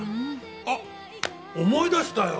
あっ思い出したよ！